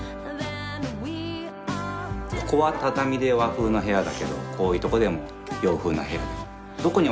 ここは畳で和風な部屋だけどこういうとこでも洋風な部屋に。